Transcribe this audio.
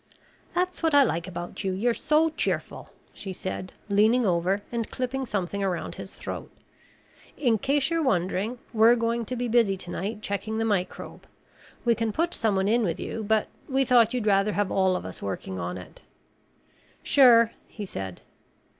"That's what I like about you, you're so cheerful," she said, leaning over and clipping something around his throat. "In case you're wondering, we're going to be busy tonight checking the microbe. We can put someone in with you, but we thought you'd rather have all of us working on it." "Sure," he said.